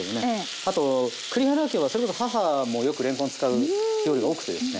あと栗原家はそれこそ母もよくれんこん使う料理が多くてですね。